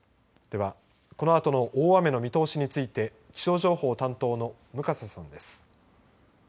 では、このあとの大雨の見通しについて気象情報担当の向笠さんです。